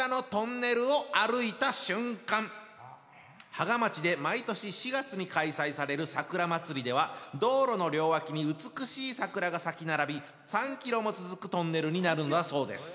芳賀町で毎年４月に開催されるさくら祭りでは道路の両脇に美しい桜が咲き並び３キロも続くトンネルになるのだそうです。